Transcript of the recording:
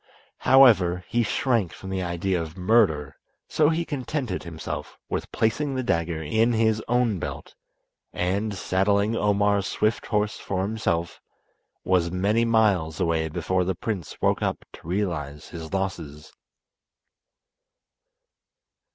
However, he shrank from the idea of murder, so he contented himself with placing the dagger in his own belt, and, saddling Omar's swift horse for himself, was many miles away before the prince woke up to realise his losses.